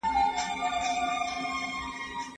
تاسو باید ماشومان له ځان سره بوځئ.